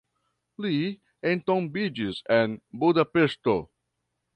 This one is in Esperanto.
Li entombiĝis en Budapeŝto.